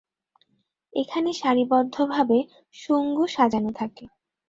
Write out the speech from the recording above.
এখানে সারিবদ্ধভাবে শুঙ্গ সাজানো থাকে।